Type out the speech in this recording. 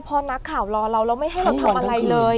พอนักข่าวรอเราแล้วไม่ให้เราทำอะไรเลย